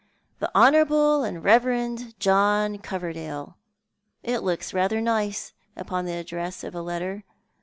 " The Honourable and Pieverend John Coverdaie ! It looks rather nice upon tlie address of a letter.